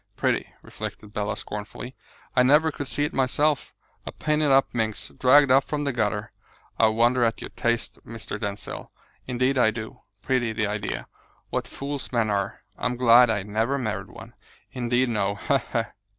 Pretty!" reflected Bella scornfully, "I never could see it myself; a painted up minx, dragged up from the gutter. I wonder at your taste, Mr. Denzil, indeed I do. Pretty, the idea! What fools men are! I'm glad I never married one! Indeed no! He! he!"